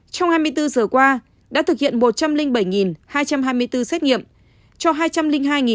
trong hai mươi bốn giờ qua đã thực hiện một trăm linh bảy hai trăm hai mươi bốn xét nghiệm cho hai trăm linh hai một trăm bốn mươi bảy lượt người